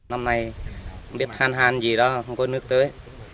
năm nay biết hạn hán gì đó không có nước tới